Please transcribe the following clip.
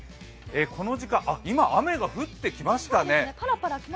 あっ、今、雨が降ってきましたね。